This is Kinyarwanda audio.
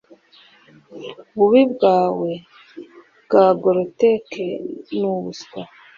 Ububi bwawe bwa groteque nubuswa